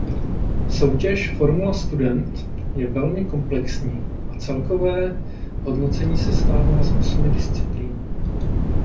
Soutěž Formula Student je velmi komplexní a celkové hodnocení sestává z osmi disciplín.